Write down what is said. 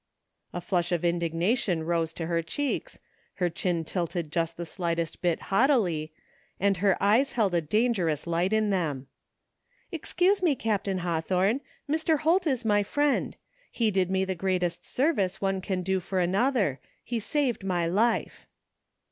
A flush of indignation rose to her cheeks, her chin tilted just the slightest bit haughtily, and her eyes held a dangerous light in them. " Excuse me, Captain Hawthorne, Mr. Holt is my friend. He did me the greatest service one can do for another. He saved my life."